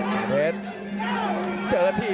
เพชรเจอที่